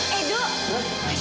masya allah kak kadil